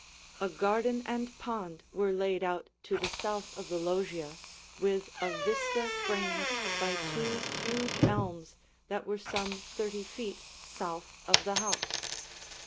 A garden and pond were laid out to the south of the loggia, with a vista framed by two huge elms that were some thirty feet south of the house.